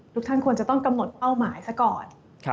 ทุกคนควรจะต้องกำหนดเป้าหมายซะก่อน